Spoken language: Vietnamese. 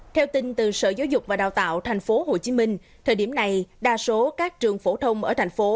theo tin từ sở giáo dục và đào tạo tp hcm thời điểm này đa số các trường phổ thông ở thành phố